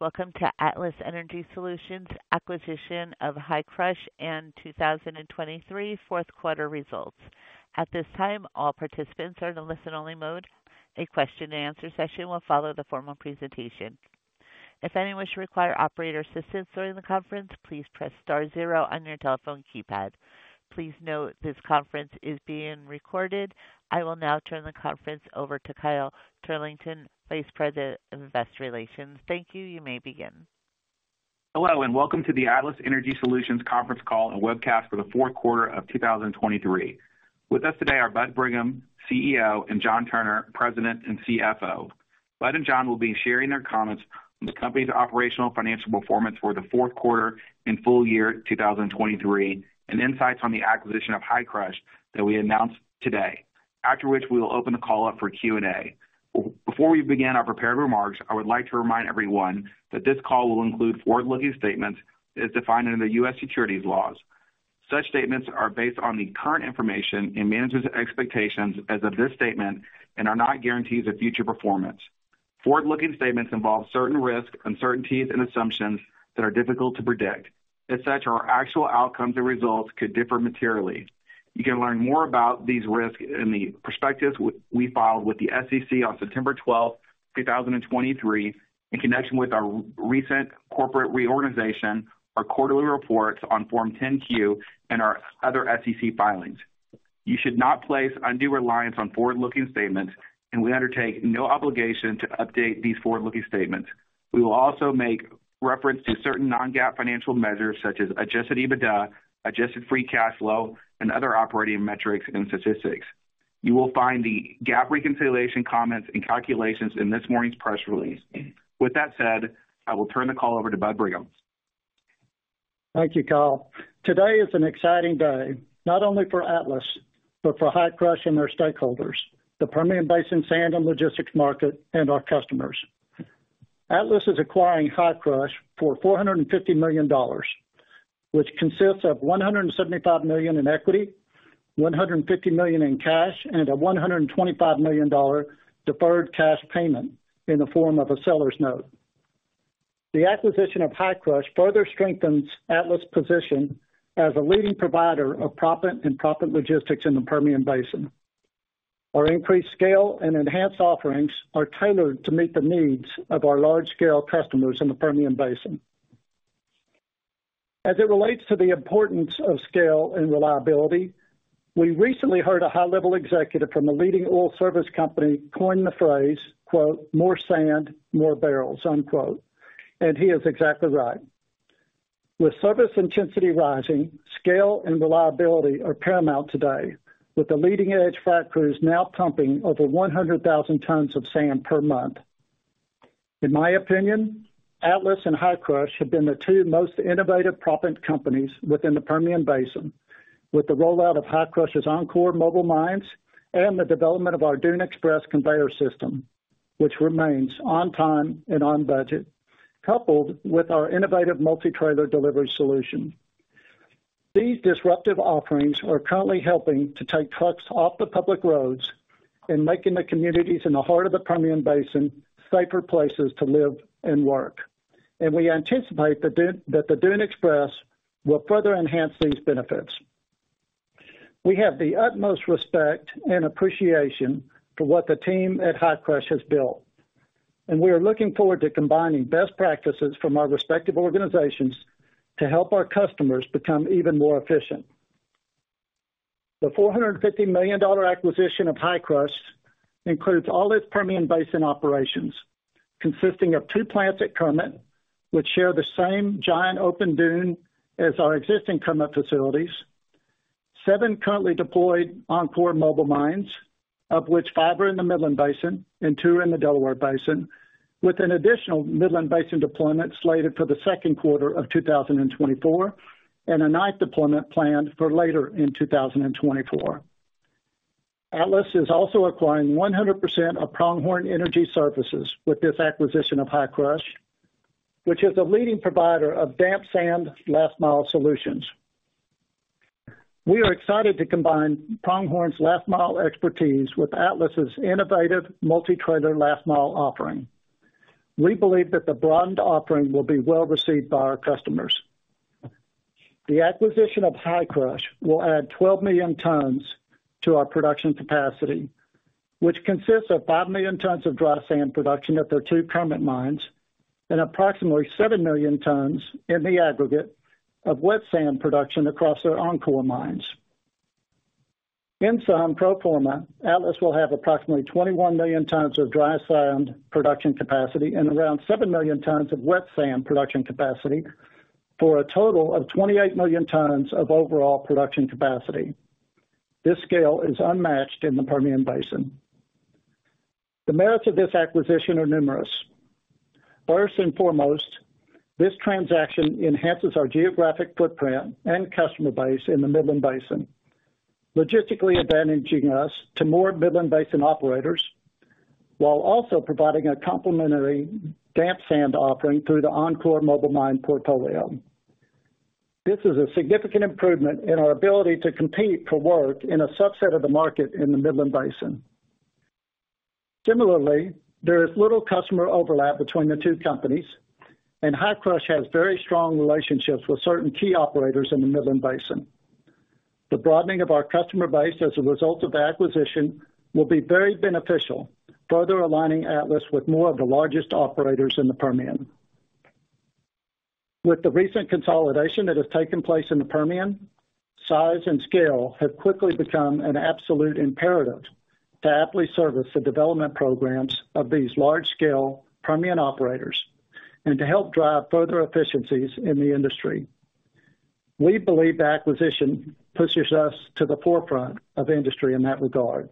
Welcome to Atlas Energy Solutions' acquisition of Hi-Crush and 2023 Fourth Quarter Results. At this time, all participants are in a listen-only mode. A question-and-answer session will follow the formal presentation. If any wish to require operator assistance during the conference, please press star zero on your telephone keypad. Please note this conference is being recorded. I will now turn the conference over to Kyle Turlington, Vice President of Investor Relations. Thank you. You may begin. Hello and welcome to the Atlas Energy Solutions Conference Call and Webcast for the Fourth Quarter of 2023. With us today are Bud Brigham, CEO, and John Turner, President and CFO. Bud and John will be sharing their comments on the company's operational financial performance for the fourth quarter and full year 2023 and insights on the acquisition of Hi-Crush that we announced today, after which we will open the call up for Q&A. Before we begin our prepared remarks, I would like to remind everyone that this call will include forward-looking statements as defined under the U.S. securities laws. Such statements are based on the current information and managers' expectations as of this statement and are not guarantees of future performance. Forward-looking statements involve certain risks, uncertainties, and assumptions that are difficult to predict. As such, our actual outcomes and results could differ materially. You can learn more about these risks in the prospectus we filed with the SEC on September 12, 2023, in connection with our recent corporate reorganization, our quarterly reports on Form 10-Q, and our other SEC filings. You should not place undue reliance on forward-looking statements, and we undertake no obligation to update these forward-looking statements. We will also make reference to certain non-GAAP financial measures such as Adjusted EBITDA, Adjusted free cash flow, and other operating metrics and statistics. You will find the GAAP reconciliation comments and calculations in this morning's press release. With that said, I will turn the call over to Bud Brigham. Thank you, Kyle. Today is an exciting day, not only for Atlas but for Hi-Crush and their stakeholders, the Permian Basin sand and logistics market, and our customers. Atlas is acquiring Hi-Crush for $450 million, which consists of $175 million in equity, $150 million in cash, and a $125 million deferred cash payment in the form of a seller's note. The acquisition of Hi-Crush further strengthens Atlas' position as a leading provider of proppant and proppant logistics in the Permian Basin. Our increased scale and enhanced offerings are tailored to meet the needs of our large-scale customers in the Permian Basin. As it relates to the importance of scale and reliability, we recently heard a high-level executive from a leading oil service company coin the phrase, quote, "More sand, more barrels," unquote, and he is exactly right. With service intensity rising, scale and reliability are paramount today, with the leading-edge frac crews now pumping over 100,000 tons of sand per month. In my opinion, Atlas and Hi-Crush have been the two most innovative proppant companies within the Permian Basin, with the rollout of Hi-Crush's OnCore mobile mines and the development of our Dune Express conveyor system, which remains on time and on budget, coupled with our innovative multi-trailer delivery solution. These disruptive offerings are currently helping to take trucks off the public roads and making the communities in the heart of the Permian Basin safer places to live and work, and we anticipate that the Dune Express will further enhance these benefits. We have the utmost respect and appreciation for what the team at Hi-Crush has built, and we are looking forward to combining best practices from our respective organizations to help our customers become even more efficient. The $450 million acquisition of Hi-Crush includes all its Permian Basin operations, consisting of two plants at Kermit, which share the same giant open dune as our existing Kermit facilities, seven currently deployed OnCore mobile mines, of which five are in the Midland Basin and two are in the Delaware Basin, with an additional Midland Basin deployment slated for the second quarter of 2024 and a ninth deployment planned for later in 2024. Atlas is also acquiring 100% of Pronghorn Energy Services with this acquisition of Hi-Crush, which is a leading provider of damp sand last-mile solutions. We are excited to combine Pronghorn's last-mile expertise with Atlas's innovative multi-trailer last-mile offering. We believe that the broadened offering will be well received by our customers. The acquisition of Hi-Crush will add 12 million tons to our production capacity, which consists of 5 million tons of dry sand production at their two Kermit mines and approximately 7 million tons in the aggregate of wet sand production across their OnCore mines. In sum, pro forma, Atlas will have approximately 21 million tons of dry sand production capacity and around 7 million tons of wet sand production capacity for a total of 28 million tons of overall production capacity. This scale is unmatched in the Permian Basin. The merits of this acquisition are numerous. First and foremost, this transaction enhances our geographic footprint and customer base in the Midland Basin, logistically advantaging us to more Midland Basin operators while also providing a complementary damp sand offering through the OnCore mobile mine portfolio. This is a significant improvement in our ability to compete for work in a subset of the market in the Midland Basin. Similarly, there is little customer overlap between the two companies, and Hi-Crush has very strong relationships with certain key operators in the Midland Basin. The broadening of our customer base as a result of the acquisition will be very beneficial, further aligning Atlas with more of the largest operators in the Permian. With the recent consolidation that has taken place in the Permian, size and scale have quickly become an absolute imperative to aptly service the development programs of these large-scale Permian operators and to help drive further efficiencies in the industry. We believe the acquisition pushes us to the forefront of industry in that regard.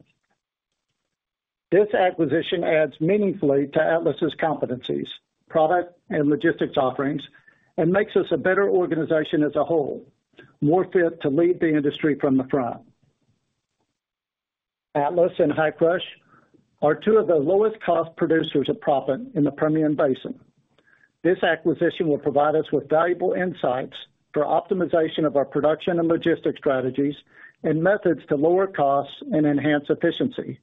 This acquisition adds meaningfully to Atlas's competencies, product and logistics offerings, and makes us a better organization as a whole, more fit to lead the industry from the front. Atlas and Hi-Crush are two of the lowest cost producers of proppant in the Permian Basin. This acquisition will provide us with valuable insights for optimization of our production and logistics strategies and methods to lower costs and enhance efficiency.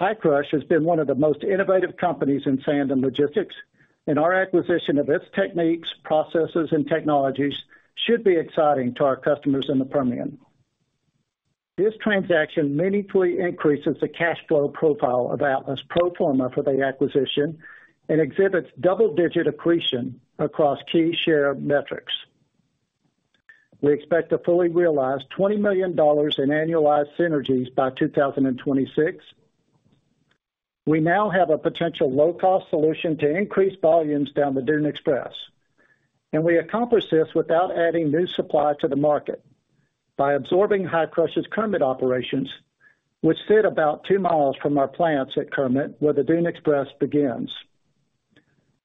Hi-Crush has been one of the most innovative companies in sand and logistics, and our acquisition of its techniques, processes, and technologies should be exciting to our customers in the Permian. This transaction meaningfully increases the cash flow profile of Atlas pro forma for the acquisition and exhibits double-digit accretion across key share metrics. We expect to fully realize $20 million in annualized synergies by 2026. We now have a potential low-cost solution to increase volumes down the Dune Express, and we accomplish this without adding new supply to the market by absorbing Hi-Crush's Kermit operations, which sit about two miles from our plants at Kermit where the Dune Express begins.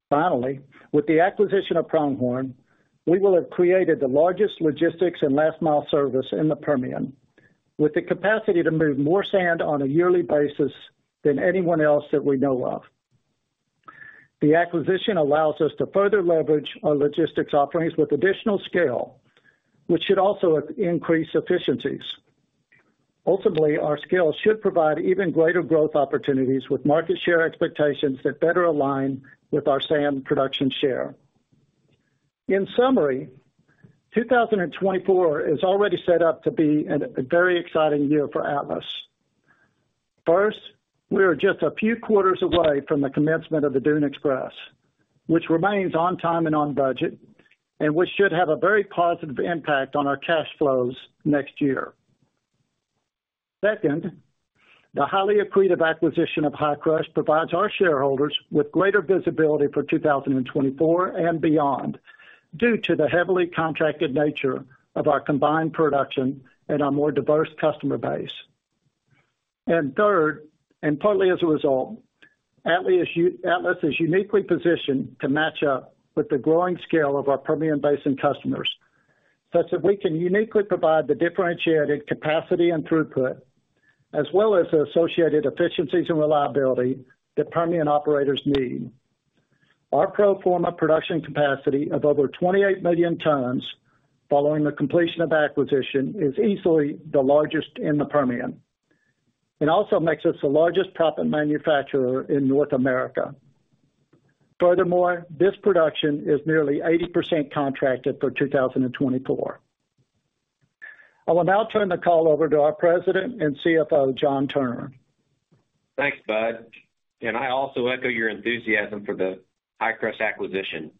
Finally, with the acquisition of Pronghorn, we will have created the largest logistics and last-mile service in the Permian, with the capacity to move more sand on a yearly basis than anyone else that we know of. The acquisition allows us to further leverage our logistics offerings with additional scale, which should also increase efficiencies. Ultimately, our scale should provide even greater growth opportunities with market share expectations that better align with our sand production share. In summary, 2024 is already set up to be a very exciting year for Atlas. First, we are just a few quarters away from the commencement of the Dune Express, which remains on time and on budget, and which should have a very positive impact on our cash flows next year. Second, the highly accretive acquisition of Hi-Crush provides our shareholders with greater visibility for 2024 and beyond due to the heavily contracted nature of our combined production and our more diverse customer base. And third, and partly as a result, Atlas is uniquely positioned to match up with the growing scale of our Permian Basin customers such that we can uniquely provide the differentiated capacity and throughput, as well as the associated efficiencies and reliability that Permian operators need. Our pro forma production capacity of over 28 million tons following the completion of acquisition is easily the largest in the Permian. It also makes us the largest proppant manufacturer in North America. Furthermore, this production is nearly 80% contracted for 2024. I will now turn the call over to our President and CFO, John Turner. Thanks, Bud. And I also echo your enthusiasm for the Hi-Crush acquisition.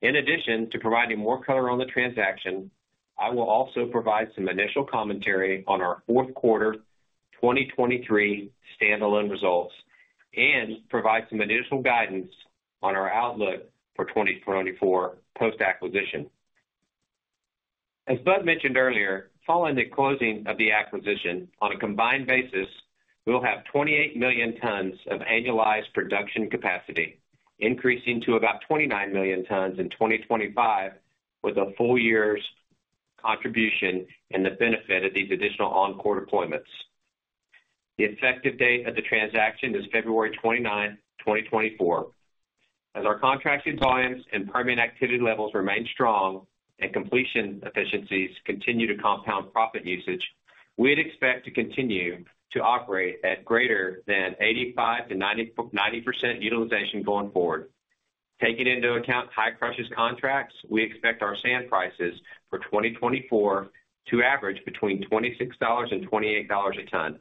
In addition to providing more color on the transaction, I will also provide some initial commentary on our fourth quarter 2023 standalone results and provide some initial guidance on our outlook for 2024 post-acquisition. As Bud mentioned earlier, following the closing of the acquisition, on a combined basis, we'll have 28 million tons of annualized production capacity, increasing to about 29 million tons in 2025 with a full year's contribution and the benefit of these additional OnCore deployments. The effective date of the transaction is February 29, 2024. As our contracted volumes and Permian activity levels remain strong and completion efficiencies continue to compound proppant usage, we'd expect to continue to operate at greater than 85%-90% utilization going forward. Taking into account Hi-Crush's contracts, we expect our sand prices for 2024 to average between $26-$28 a ton.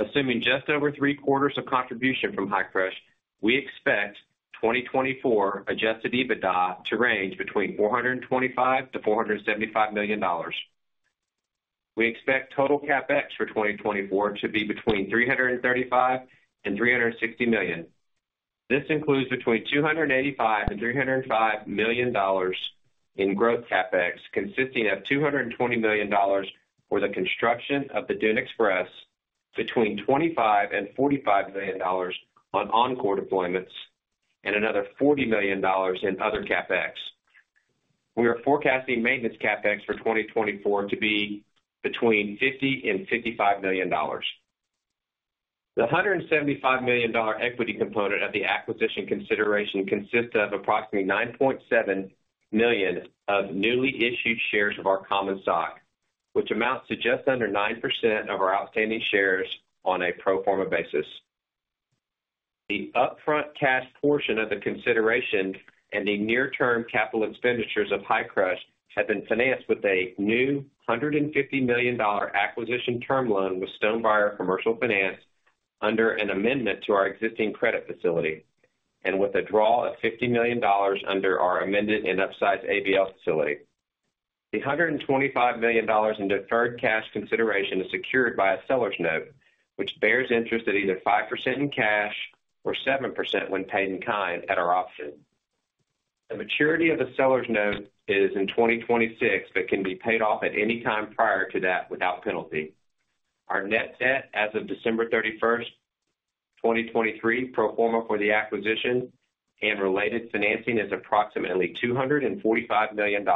Assuming just over three quarters of contribution from Hi-Crush, we expect 2024 Adjusted EBITDA to range between $425-$475 million. We expect total Capex for 2024 to be between $335-$360 million. This includes between $285-$305 million in growth Capex consisting of $220 million for the construction of the Dune Express, between $25-$45 million on OnCore deployments, and another $40 million in other Capex. We are forecasting maintenance Capex for 2024 to be between $50-$55 million. The $175 million equity component of the acquisition consideration consists of approximately 9.7 million of newly issued shares of our common stock, which amounts to just under 9% of our outstanding shares on a pro forma basis. The upfront cash portion of the consideration and the near-term capital expenditures of Hi-Crush have been financed with a new $150 million acquisition term loan with Stonebriar Commercial Finance under an amendment to our existing credit facility and with a draw of $50 million under our amended and upsized ABL facility. The $125 million in deferred cash consideration is secured by a seller's note, which bears interest at either 5% in cash or 7% when paid in kind at our option. The maturity of the seller's note is in 2026 but can be paid off at any time prior to that without penalty. Our net debt as of December 31, 2023, pro forma for the acquisition and related financing is approximately $245 million,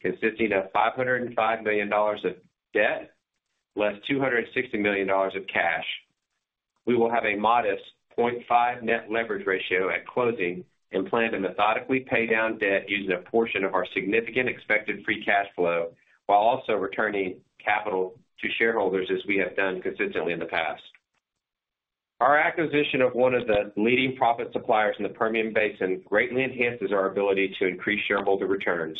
consisting of $505 million of debt less $260 million of cash. We will have a modest 0.5 net leverage ratio at closing and plan to methodically pay down debt using a portion of our significant expected free cash flow while also returning capital to shareholders as we have done consistently in the past. Our acquisition of one of the leading proppant suppliers in the Permian Basin greatly enhances our ability to increase shareholder returns.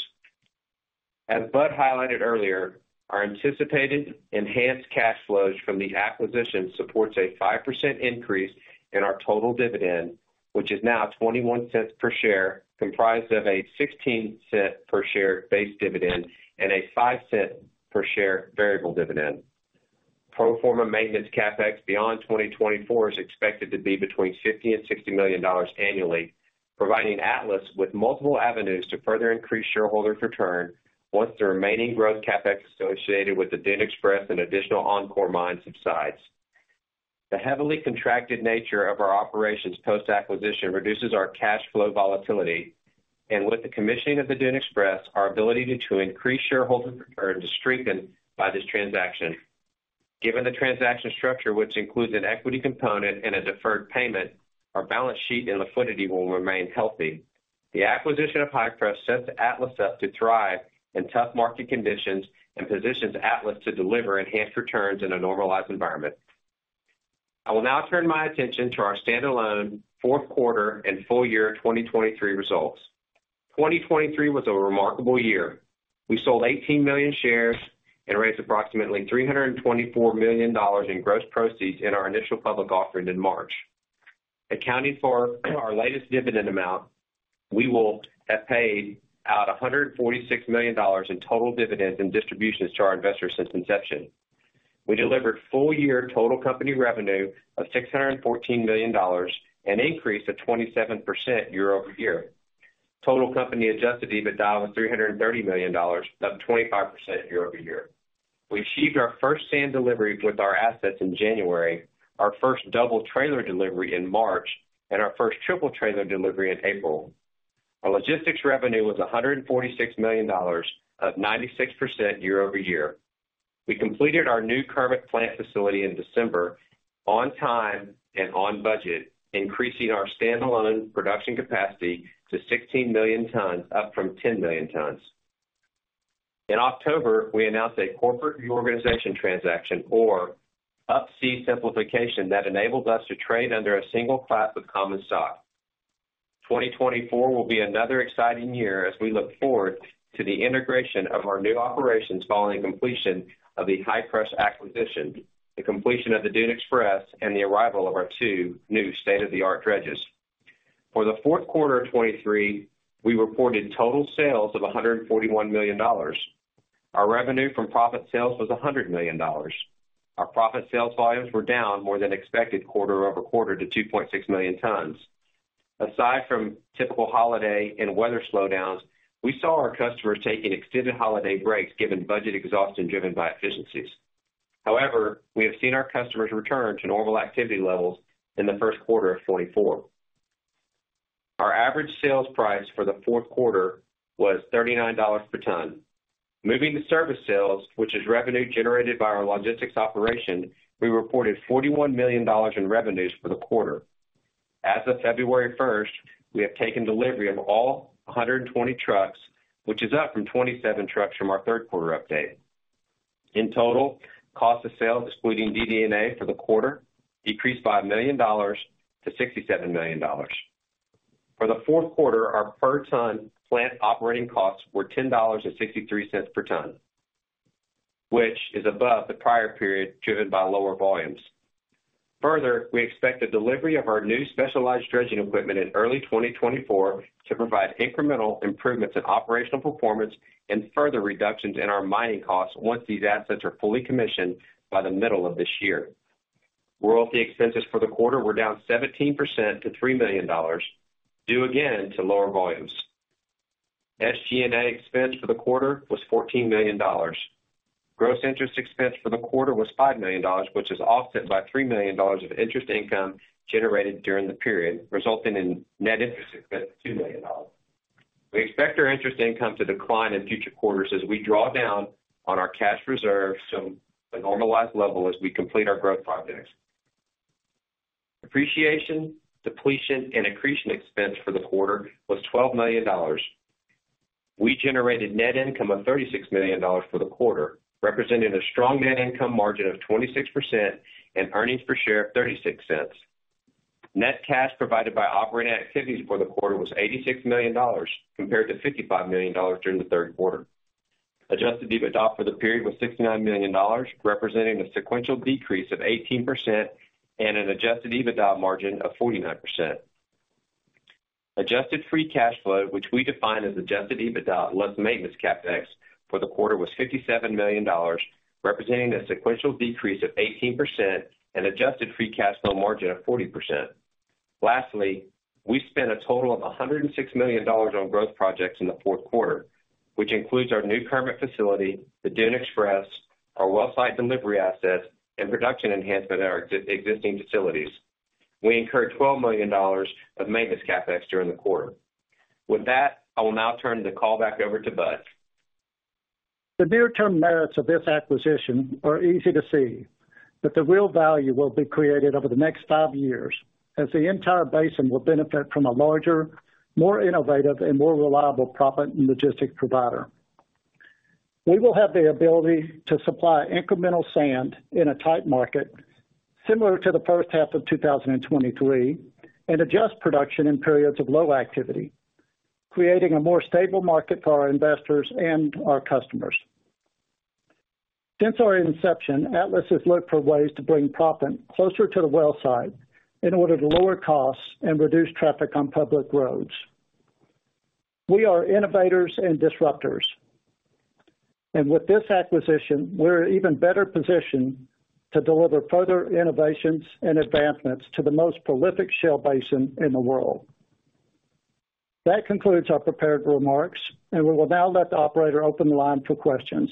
As Bud highlighted earlier, our anticipated enhanced cash flows from the acquisition supports a 5% increase in our total dividend, which is now $0.21 per share comprised of a $0.16 per share base dividend and a $0.05 per share variable dividend. Pro forma maintenance CapEx beyond 2024 is expected to be between $50-$60 million annually, providing Atlas with multiple avenues to further increase shareholder return once the remaining growth CapEx associated with the Dune Express and additional OnCore mines subsides. The heavily contracted nature of our operations post-acquisition reduces our cash flow volatility, and with the commissioning of the Dune Express, our ability to increase shareholder returns is strengthened by this transaction. Given the transaction structure, which includes an equity component and a deferred payment, our balance sheet and liquidity will remain healthy. The acquisition of Hi-Crush sets Atlas up to thrive in tough market conditions and positions Atlas to deliver enhanced returns in a normalized environment. I will now turn my attention to our standalone fourth quarter and full year 2023 results. 2023 was a remarkable year. We sold 18 million shares and raised approximately $324 million in gross proceeds in our initial public offering in March. Accounting for our latest dividend amount, we will have paid out $146 million in total dividends and distributions to our investors since inception. We delivered full-year total company revenue of $614 million and increased 27% year-over-year. Total company Adjusted EBITDA was $330 million, up 25% year-over-year. We achieved our first sand delivery with our assets in January, our first double trailer delivery in March, and our first triple trailer delivery in April. Our logistics revenue was $146 million, up 96% year-over-year. We completed our new Kermit plant facility in December on time and on budget, increasing our standalone production capacity to 16 million tons, up from 10 million tons. In October, we announced a corporate reorganization transaction, or Up-C simplification, that enables us to trade under a single class of common stock. 2024 will be another exciting year as we look forward to the integration of our new operations following completion of the Hi-Crush acquisition, the completion of the Dune Express, and the arrival of our two new state-of-the-art dredges. For the fourth quarter of 2023, we reported total sales of $141 million. Our revenue from proppant sales was $100 million. Our proppant sales volumes were down more than expected quarter-over-quarter to 2.6 million tons. Aside from typical holiday and weather slowdowns, we saw our customers taking extended holiday breaks given budget exhaustion driven by efficiencies. However, we have seen our customers return to normal activity levels in the first quarter of 2024. Our average sales price for the fourth quarter was $39 per ton. Moving to service sales, which is revenue generated by our logistics operation, we reported $41 million in revenues for the quarter. As of February 1st, we have taken delivery of all 120 trucks, which is up from 27 trucks from our third quarter update. In total, cost of sales excluding DD&A for the quarter decreased $5 million to $67 million. For the fourth quarter, our per-ton plant operating costs were $10.63 per ton, which is above the prior period driven by lower volumes. Further, we expect the delivery of our new specialized dredging equipment in early 2024 to provide incremental improvements in operational performance and further reductions in our mining costs once these assets are fully commissioned by the middle of this year. Royalties expenses for the quarter were down 17% to $3 million, due again to lower volumes. SG&A expense for the quarter was $14 million. Gross interest expense for the quarter was $5 million, which is offset by $3 million of interest income generated during the period, resulting in net interest expense of $2 million. We expect our interest income to decline in future quarters as we draw down on our cash reserve to a normalized level as we complete our growth projects. Depreciation, depletion, and amortization expense for the quarter was $12 million. We generated net income of $36 million for the quarter, representing a strong net income margin of 26% and earnings per share of $0.36. Net cash provided by operating activities for the quarter was $86 million compared to $55 million during the third quarter. Adjusted EBITDA for the period was $69 million, representing a sequential decrease of 18% and an adjusted EBITDA margin of 49%. Adjusted free cash flow, which we define as Adjusted EBITDA less maintenance CapEx for the quarter, was $57 million, representing a sequential decrease of 18% and adjusted free cash flow margin of 40%. Lastly, we spent a total of $106 million on growth projects in the fourth quarter, which includes our new Kermit facility, the Dune Express, our wellsite delivery assets, and production enhancement at our existing facilities. We incurred $12 million of maintenance CapEx during the quarter. With that, I will now turn the call back over to Bud. The near-term merits of this acquisition are easy to see, but the real value will be created over the next five years as the entire basin will benefit from a larger, more innovative, and more reliable proppant and logistics provider. We will have the ability to supply incremental sand in a tight market similar to the first half of 2023 and adjust production in periods of low activity, creating a more stable market for our investors and our customers. Since our inception, Atlas has looked for ways to bring proppant closer to the wellsite in order to lower costs and reduce traffic on public roads. We are innovators and disruptors, and with this acquisition, we're in an even better position to deliver further innovations and advancements to the most prolific shale basin in the world. That concludes our prepared remarks, and we will now let the operator open the line for questions.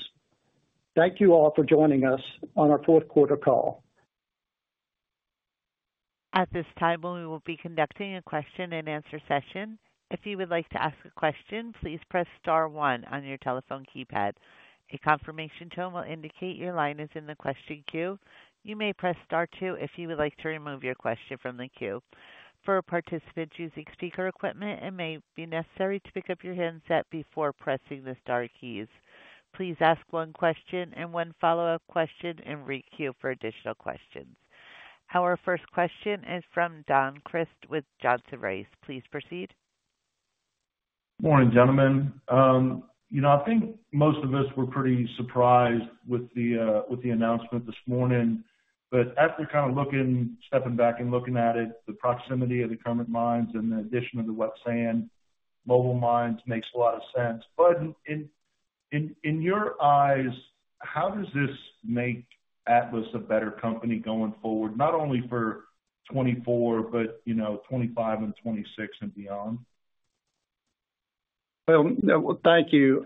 Thank you all for joining us on our fourth quarter call. At this time, we will be conducting a question-and-answer session. If you would like to ask a question, please press star one on your telephone keypad. A confirmation tone will indicate your line is in the question queue. You may press star two if you would like to remove your question from the queue. For participants using speaker equipment, it may be necessary to pick up your headset before pressing the star keys. Please ask one question and one follow-up question and requeue for additional questions. Our first question is from Don Crist with Johnson Rice. Please proceed. Morning, gentlemen. You know, I think most of us were pretty surprised with the announcement this morning, but after kind of stepping back and looking at it, the proximity of the Kermit mines and the addition of the wet sand mobile mines makes a lot of sense. Bud, in your eyes, how does this make Atlas a better company going forward, not only for 2024 but 2025 and 2026 and beyond? Well, thank you.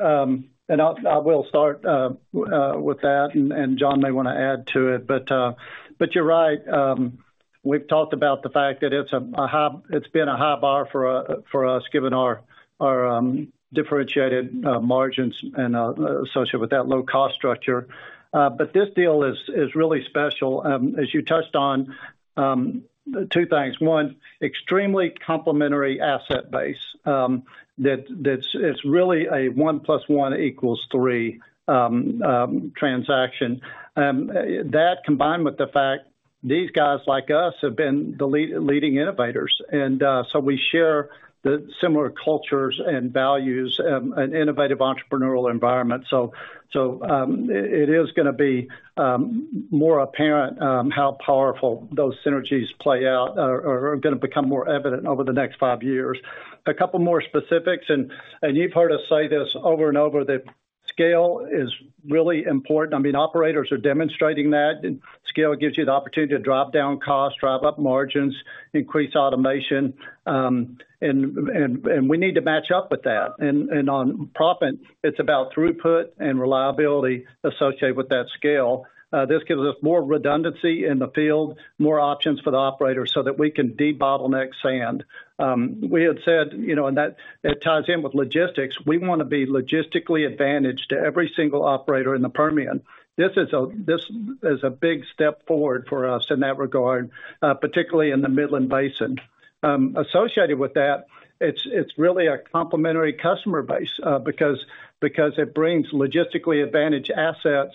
And I will start with that, and John may want to add to it. But you're right. We've talked about the fact that it's been a high bar for us given our differentiated margins and associated with that low-cost structure. But this deal is really special. As you touched on, two things. One, extremely complementary asset base. It's really a one plus one equals three transaction. That, combined with the fact these guys like us have been the leading innovators, and so we share similar cultures and values, an innovative entrepreneurial environment. So it is going to be more apparent how powerful those synergies play out or are going to become more evident over the next five years. A couple more specifics, and you've heard us say this over and over, that scale is really important. I mean, operators are demonstrating that. Scale gives you the opportunity to drop down costs, drive up margins, increase automation, and we need to match up with that. And on proppant, it's about throughput and reliability associated with that scale. This gives us more redundancy in the field, more options for the operator so that we can debottleneck sand. We had said, and that ties in with logistics, we want to be logistically advantaged to every single operator in the Permian. This is a big step forward for us in that regard, particularly in the Midland Basin. Associated with that, it's really a complementary customer base because it brings logistically advantaged assets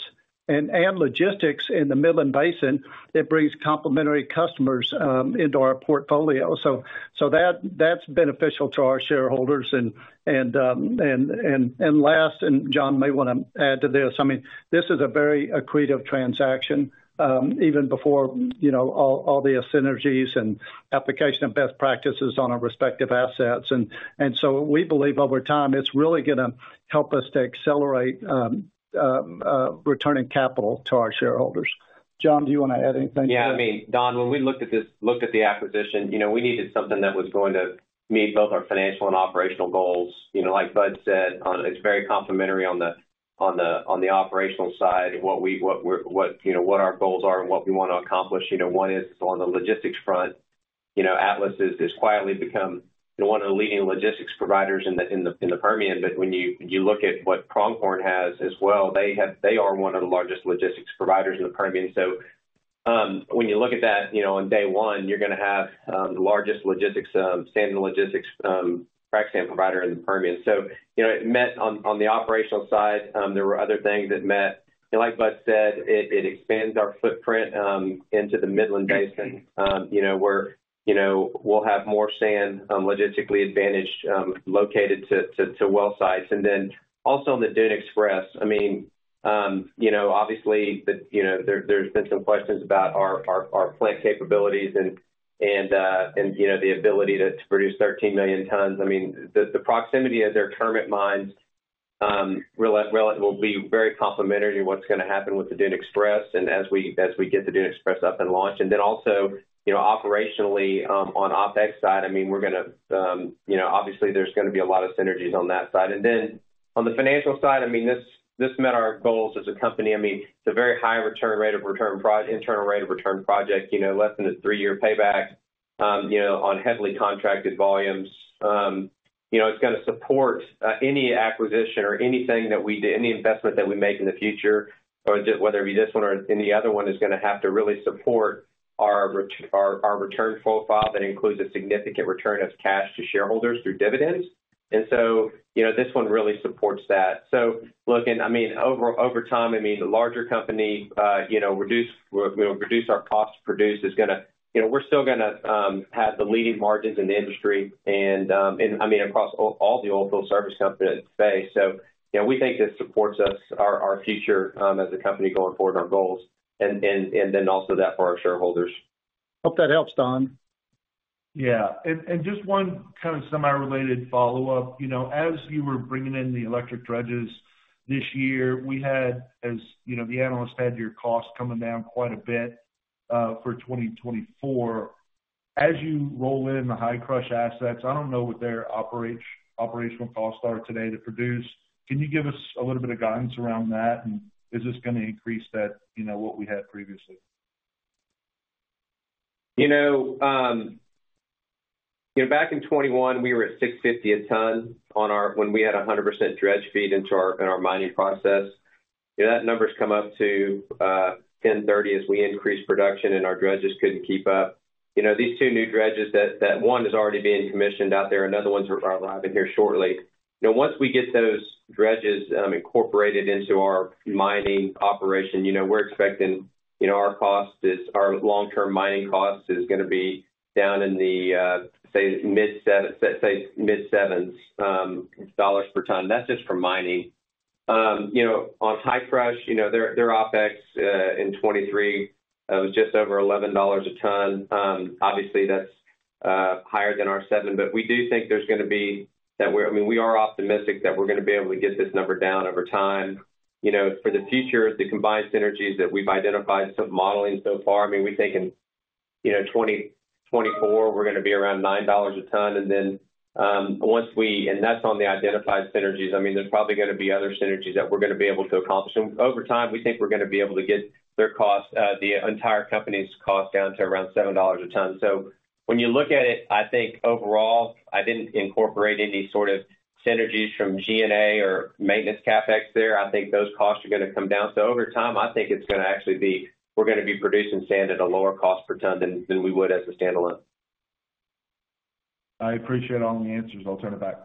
and logistics in the Midland Basin. It brings complementary customers into our portfolio. So that's beneficial to our shareholders. And last, and John may want to add to this, I mean, this is a very accretive transaction even before all the synergies and application of best practices on our respective assets. And so we believe over time, it's really going to help us to accelerate returning capital to our shareholders. John, do you want to add anything to that? Yeah. I mean, Don, when we looked at the acquisition, we needed something that was going to meet both our financial and operational goals. Like Bud said, it's very complementary on the operational side of what our goals are and what we want to accomplish. One is on the logistics front. Atlas has quietly become one of the leading logistics providers in the Permian. But when you look at what Pronghorn has as well, they are one of the largest logistics providers in the Permian. So when you look at that on day one, you're going to have the largest sand and logistics frac sand provider in the Permian. So it met on the operational side. There were other things it met. Like Bud said, it expands our footprint into the Midland Basin where we'll have more sand logistically advantaged located to wellsites. And then also on the Dune Express, I mean, obviously, there's been some questions about our plant capabilities and the ability to produce 13 million tons. I mean, the proximity of their Kermit mines will be very complementary to what's going to happen with the Dune Express and as we get the Dune Express up and launched. And then also operationally on OpEx side, I mean, we're going to obviously, there's going to be a lot of synergies on that side. And then on the financial side, I mean, this met our goals as a company. I mean, it's a very high return rate of return internal rate of return project, less than a three-year payback on heavily contracted volumes. It's going to support any acquisition or anything that we do, any investment that we make in the future, whether it be this one or any other one, is going to have to really support our return profile that includes a significant return of cash to shareholders through dividends. And so this one really supports that. So look, and I mean, over time, I mean, the larger company, reduce our cost to produce is going to we're still going to have the leading margins in the industry, and I mean, across all the oilfield service companies in the space. So we think this supports us, our future as a company going forward, our goals, and then also that for our shareholders. Hope that helps, Don. Yeah. And just one kind of semi-related follow-up. As you were bringing in the electric dredges this year, we had as the analyst had your costs coming down quite a bit for 2024. As you roll in the Hi-Crush assets, I don't know what their operational costs are today to produce. Can you give us a little bit of guidance around that, and is this going to increase what we had previously? Back in 2021, we were at $650 a ton when we had 100% dredge feed into our mining process. That number's come up to $1,030 as we increased production, and our dredges couldn't keep up. These two new dredges, one is already being commissioned out there. Another one's arriving here shortly. Once we get those dredges incorporated into our mining operation, we're expecting our cost is our long-term mining cost is going to be down in the, say, mid-$7s per ton. That's just for mining. On Hi-Crush, their OpEx in 2023 was just over $11 a ton. Obviously, that's higher than our $7. But we do think there's going to be that we're I mean, we are optimistic that we're going to be able to get this number down over time. For the future, the combined synergies that we've identified, some modeling so far, I mean, we think in 2024, we're going to be around $9 a ton. And then once we and that's on the identified synergies. I mean, there's probably going to be other synergies that we're going to be able to accomplish. And over time, we think we're going to be able to get their cost, the entire company's cost, down to around $7 a ton. So when you look at it, I think overall, I didn't incorporate any sort of synergies from G&A or maintenance capex there. I think those costs are going to come down. So over time, I think it's going to actually be we're going to be producing sand at a lower cost per ton than we would as a standalone. I appreciate all the answers. I'll turn it back.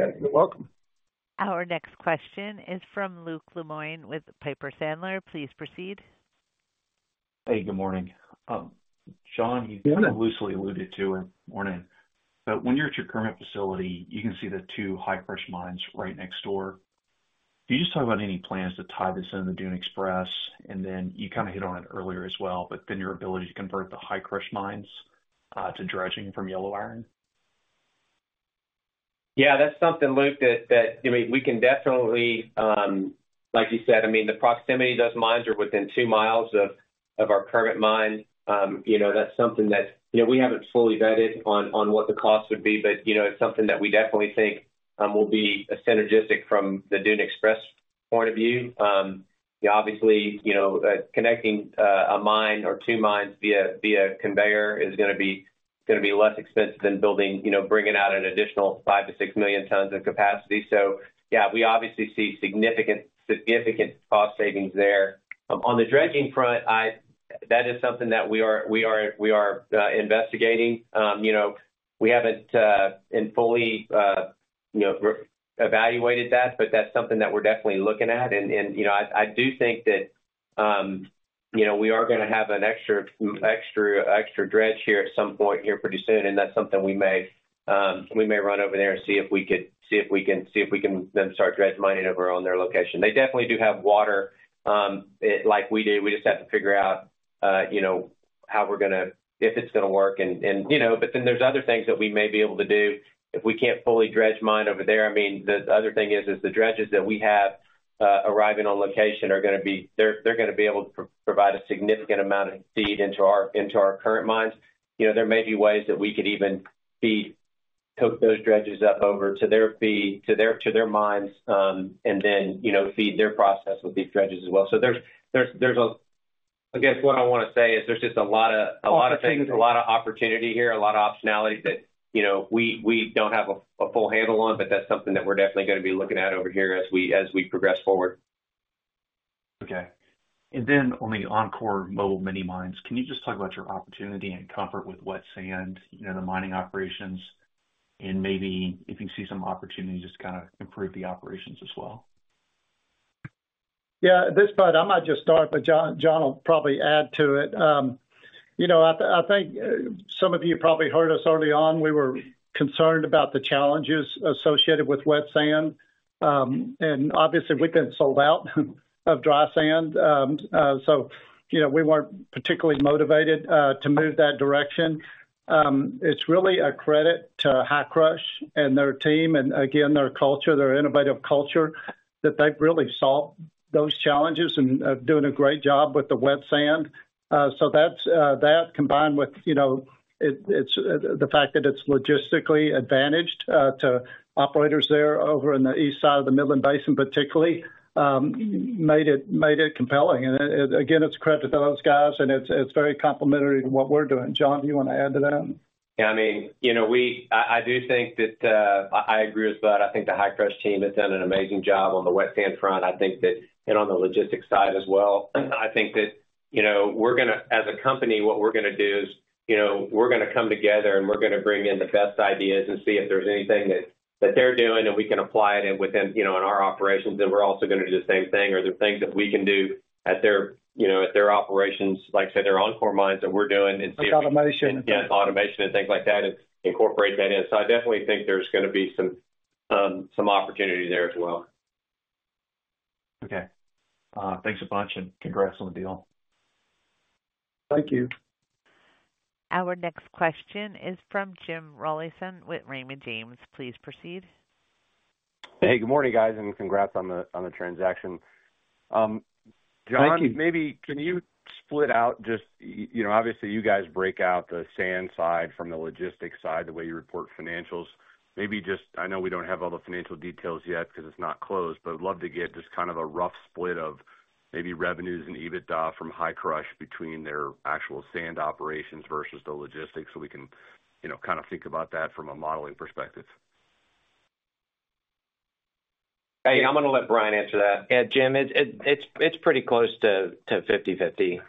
You're welcome. Our next question is from Luke Lemoine with Piper Sandler. Please proceed. Hey, good morning. John, he's kind of loosely alluded to in the morning. But when you're at your Kermit facility, you can see the two Hi-Crush mines right next door. Can you just talk about any plans to tie this into the Dune Express? And then you kind of hit on it earlier as well, but then your ability to convert the Hi-Crush mines to dredging from yellow iron. Yeah. That's something, Luke, that I mean, we can definitely like you said, I mean, the proximity of those mines are within two miles of our Kermit mine. That's something that we haven't fully vetted on what the cost would be, but it's something that we definitely think will be synergistic from the Dune Express point of view. Obviously, connecting a mine or two mines via conveyor is going to be less expensive than bringing out an additional 5-6 million tons of capacity. So yeah, we obviously see significant cost savings there. On the dredging front, that is something that we are investigating. We haven't fully evaluated that, but that's something that we're definitely looking at. And I do think that we are going to have an extra dredge here at some point here pretty soon. That's something we may run over there and see if we can see if we can see if we can then start dredge mining over on their location. They definitely do have water like we do. We just have to figure out how we're going to if it's going to work. But then there's other things that we may be able to do. If we can't fully dredge mine over there, I mean, the other thing is the dredges that we have arriving on location are going to be able to provide a significant amount of feed into our current mines. There may be ways that we could even hook those dredges up over to their feed, to their mines, and then feed their process with these dredges as well. So, there's, I guess, what I want to say is there's just a lot of things, a lot of opportunity here, a lot of optionality that we don't have a full handle on, but that's something that we're definitely going to be looking at over here as we progress forward. Okay. And then on the OnCore mobile mini mines, can you just talk about your opportunity and comfort with wet sand, the mining operations, and maybe if you see some opportunity just to kind of improve the operations as well? Yeah. At this point, I might just start, but John will probably add to it. I think some of you probably heard us early on. We were concerned about the challenges associated with wet sand. And obviously, we've been sold out of dry sand. So we weren't particularly motivated to move that direction. It's really a credit to Hi-Crush and their team and, again, their culture, their innovative culture that they've really solved those challenges and doing a great job with the wet sand. So that, combined with the fact that it's logistically advantaged to operators there over in the east side of the Midland Basin, particularly, made it compelling. And again, it's a credit to those guys, and it's very complementary to what we're doing. John, do you want to add to that? Yeah. I mean, I do think that I agree with Bud. I think the Hi-Crush team has done an amazing job on the wet sand front. I think that and on the logistics side as well. I think that we're going to as a company, what we're going to do is we're going to come together, and we're going to bring in the best ideas and see if there's anything that they're doing and we can apply it in our operations. And we're also going to do the same thing. Are there things that we can do at their operations, like I said, their OnCore mines that we're doing and see if we can? Automation. Automation and things like that and incorporate that in. So I definitely think there's going to be some opportunity there as well. Okay. Thanks a bunch, and congrats on the deal. Thank you. Our next question is from Jim Rollyson with Raymond James. Please proceed. Hey, good morning, guys, and congrats on the transaction. Thank you. John, maybe can you split out just obviously you guys break out the sand side from the logistics side the way you report financials. Maybe just I know we don't have all the financial details yet because it's not closed, but I'd love to get just kind of a rough split of maybe revenues and EBITDA from Hi-Crush between their actual sand operations versus the logistics so we can kind of think about that from a modeling perspective. Hey, I'm going to let Brian answer that. Yeah, Jim, it's pretty close to 50/50.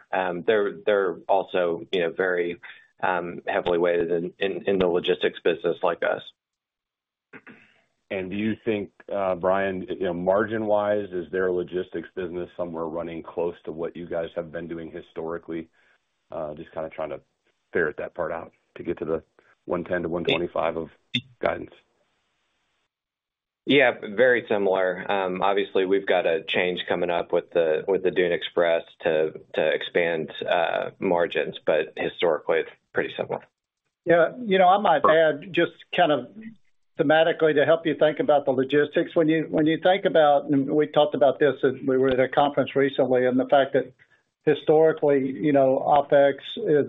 They're also very heavily weighted in the logistics business like us. Do you think, Brian, margin-wise, is their logistics business somewhere running close to what you guys have been doing historically? Just kind of trying to ferret that part out to get to the $110-$125 of guidance. Yeah, very similar. Obviously, we've got a change coming up with the Dune Express to expand margins, but historically, it's pretty similar. Yeah. I might add just kind of thematically to help you think about the logistics. When you think about and we talked about this when we were at a conference recently and the fact that historically, 70%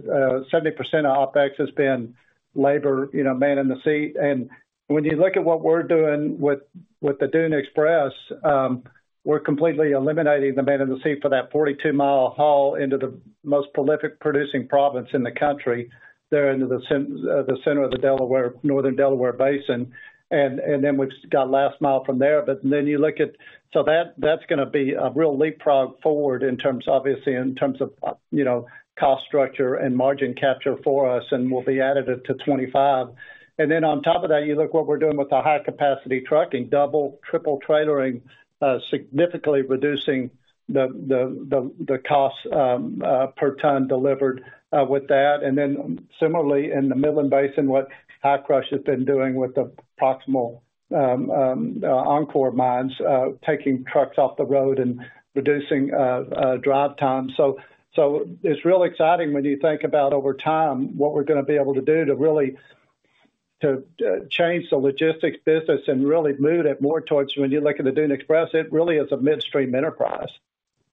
of OpEx has been labor, man in the seat. And when you look at what we're doing with the Dune Express, we're completely eliminating the man in the seat for that 42-mile haul into the most prolific producing province in the country. They're into the center of the Northern Delaware Basin. And then we've got last mile from there. But then you look at so that's going to be a real leapfrog forward in terms obviously, in terms of cost structure and margin capture for us, and we'll be added to 2025. And then on top of that, you look at what we're doing with the high-capacity trucking, triple trailering, significantly reducing the cost per ton delivered with that. And then similarly, in the Midland Basin, what Hi-Crush has been doing with the proximal OnCore mines, taking trucks off the road and reducing drive time. So it's really exciting when you think about over time what we're going to be able to do to really change the logistics business and really move it more towards when you look at the Dune Express, it really is a midstream enterprise.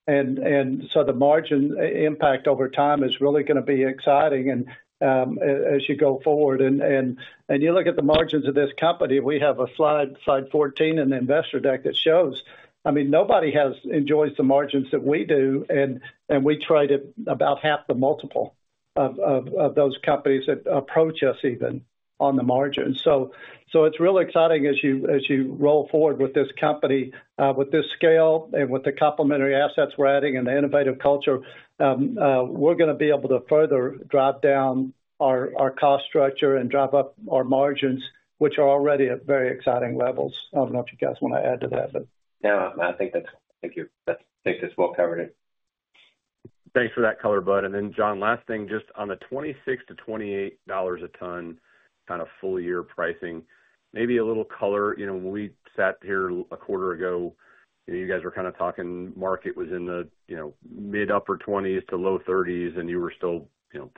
And so the margin impact over time is really going to be exciting as you go forward. And you look at the margins of this company, we have a slide, slide 14 in the investor deck that shows. I mean, nobody enjoys the margins that we do, and we trade about half the multiple of those companies that approach us even on the margins. So it's really exciting as you roll forward with this company, with this scale, and with the complementary assets we're adding and the innovative culture. We're going to be able to further drive down our cost structure and drive up our margins, which are already at very exciting levels. I don't know if you guys want to add to that, but. No, I think that's it, thank you. I think this will cover it. Thanks for that color, Bud. Then, John, last thing, just on the $26-$28 a ton kind of full-year pricing, maybe a little color. When we sat here a quarter ago, you guys were kind of talking market was in the mid-upper 20s to low 30s, and you were still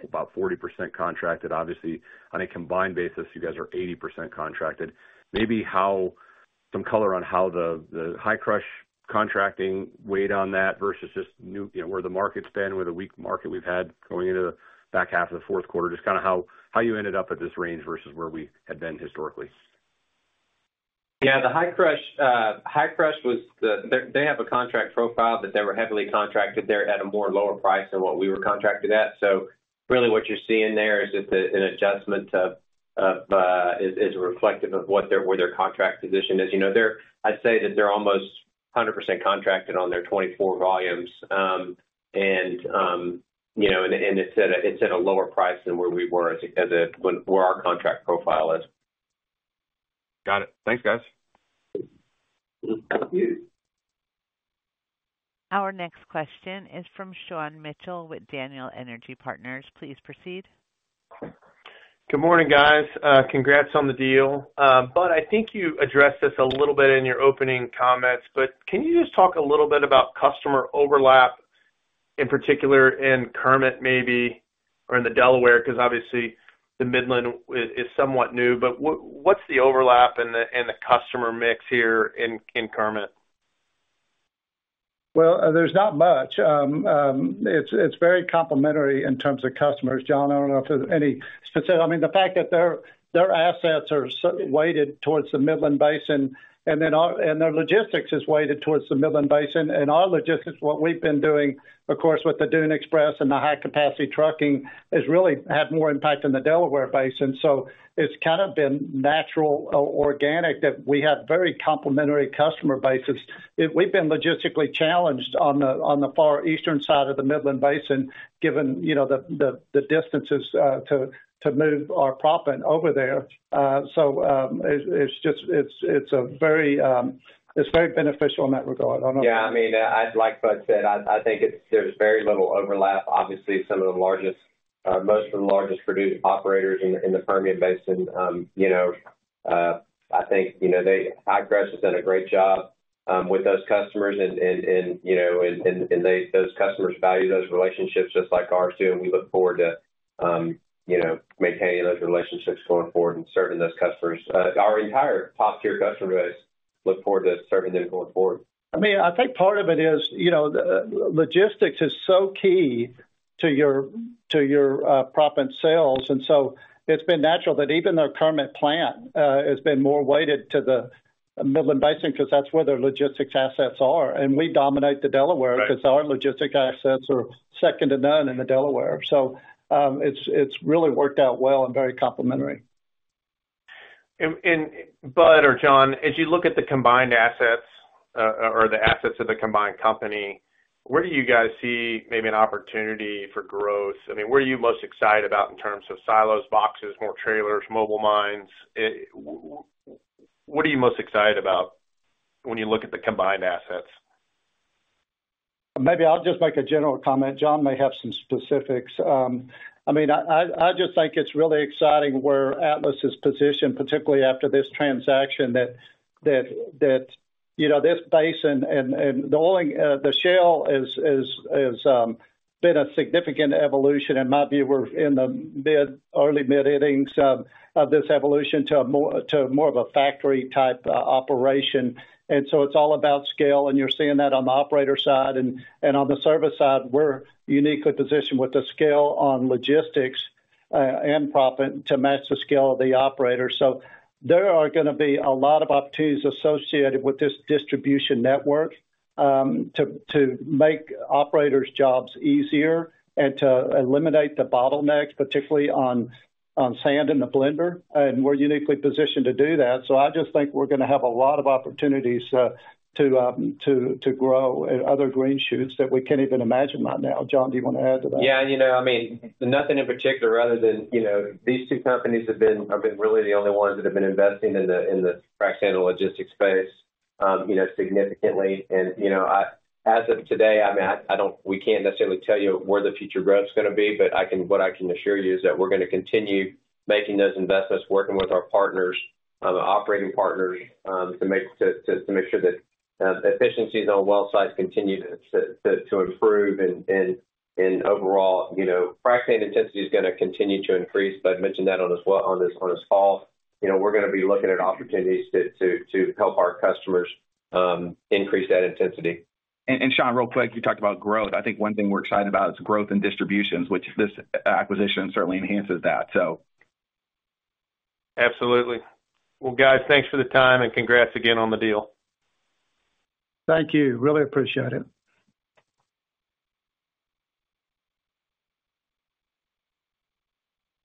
about 40% contracted. Obviously, on a combined basis, you guys are 80% contracted. Maybe some color on how the Hi-Crush contracting weighed on that versus just where the market's been with a weak market we've had going into the back half of the fourth quarter, just kind of how you ended up at this range versus where we had been historically? Yeah. The Hi-Crush was the they have a contract profile that they were heavily contracted there at a more lower price than what we were contracted at. So really, what you're seeing there is just an adjustment that is reflective of where their contract position is. I'd say that they're almost 100% contracted on their 2024 volumes, and it's at a lower price than where we were as a where our contract profile is. Got it. Thanks, guys. Our next question is from Sean Mitchell with Daniel Energy Partners. Please proceed. Good morning, guys. Congrats on the deal. Bud, I think you addressed this a little bit in your opening comments, but can you just talk a little bit about customer overlap, in particular, in Kermit maybe or in the Delaware? Because obviously, the Midland is somewhat new. But what's the overlap and the customer mix here in Kermit? Well, there's not much. It's very complementary in terms of customers. John, I don't know if there's any specific. I mean, the fact that their assets are weighted towards the Midland Basin, and their logistics is weighted towards the Midland Basin. And our logistics, what we've been doing, of course, with the Dune Express and the high-capacity trucking has really had more impact in the Delaware Basin. So it's kind of been natural, organic, that we have very complementary customer bases. We've been logistically challenged on the far eastern side of the Midland Basin, given the distances to move our proppant over there. So it's a very—it's very beneficial in that regard. I don't know if. Yeah. I mean, like Bud said, I think there's very little overlap. Obviously, most of the largest operators in the Permian Basin, I think Hi-Crush has done a great job with those customers, and those customers value those relationships just like ours do. And we look forward to maintaining those relationships going forward and serving those customers. Our entire top-tier customer base looks forward to serving them going forward. I mean, I think part of it is logistics is so key to your proppant sales. And so it's been natural that even their Kermit plant has been more weighted to the Midland Basin because that's where their logistics assets are. And we dominate the Delaware because our logistics assets are second to none in the Delaware. So it's really worked out well and very complementary. Bud or John, as you look at the combined assets or the assets of the combined company, where do you guys see maybe an opportunity for growth? I mean, what are you most excited about in terms of silos, boxes, more trailers, mobile mines? What are you most excited about when you look at the combined assets? Maybe I'll just make a general comment. John may have some specifics. I mean, I just think it's really exciting where Atlas is positioned, particularly after this transaction, that this basin and the shale has been a significant evolution. In my view, we're in the early-to-mid innings of this evolution to more of a factory-type operation. And so it's all about scale. And you're seeing that on the operator side. And on the service side, we're uniquely positioned with the scale on logistics and proppant to match the scale of the operator. So there are going to be a lot of opportunities associated with this distribution network to make operators' jobs easier and to eliminate the bottlenecks, particularly on sand in the blender. And we're uniquely positioned to do that. So I just think we're going to have a lot of opportunities to grow and other green shoots that we can't even imagine right now. John, do you want to add to that? Yeah. I mean, nothing in particular other than these two companies have been really the only ones that have been investing in the frac sand and logistics space significantly. As of today, I mean, we can't necessarily tell you where the future growth's going to be, but what I can assure you is that we're going to continue making those investments, working with our partners, operating partners, to make sure that efficiencies on well sites continue to improve. Overall, frac sand intensity is going to continue to increase. Bud mentioned that on his call. We're going to be looking at opportunities to help our customers increase that intensity. Sean, real quick, you talked about growth. I think one thing we're excited about is growth in distributions, which this acquisition certainly enhances that, so. Absolutely. Well, guys, thanks for the time, and congrats again on the deal. Thank you. Really appreciate it.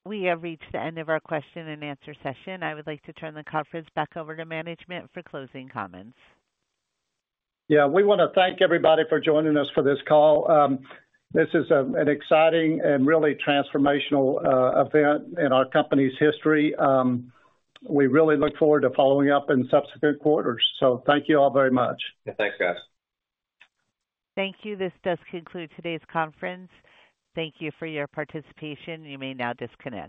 We have reached the end of our question-and-answer session. I would like to turn the conference back over to management for closing comments. Yeah. We want to thank everybody for joining us for this call. This is an exciting and really transformational event in our company's history. We really look forward to following up in subsequent quarters. Thank you all very much. Yeah. Thanks, guys. Thank you. This does conclude today's conference. Thank you for your participation. You may now disconnect.